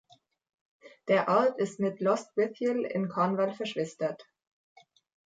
Der Ort ist mit Lostwithiel in Cornwall verschwistert.